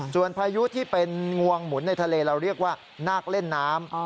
ส่วนพายุที่เป็นงวงหมุนในทะเลเราเรียกว่านาคเล่นน้ำ